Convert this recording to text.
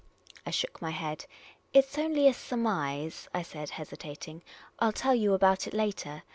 I shook my head. " It 's only a surmise," I said, hesitat ing. " I '11 tell you about it later.